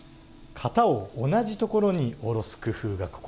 型を同じところに下ろす工夫がここです。